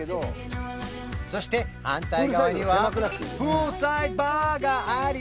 そして反対側にはプールサイドバーがあり